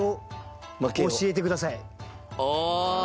ああ！